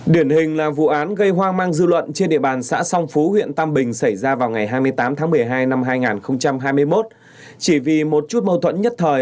điển hình là vụ án gây hoang mang dư luận trên địa bàn xã song phú huyện tam bình xảy ra vào ngày hôm nay